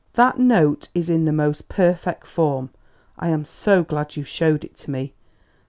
That note is in the most perfect form. I am so glad you showed it to me!